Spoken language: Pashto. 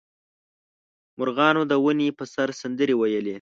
مرغانو د ونې په سر سندرې ویلې.